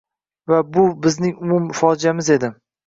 Va bu bizning umum fojiamiz edi.